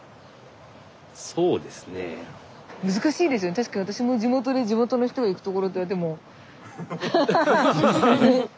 確かに私も地元で地元の人が行くところって言われてもハハハハッ！ね？